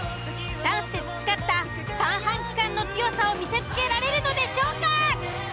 ダンスで培った三半規管の強さを見せつけられるのでしょうか。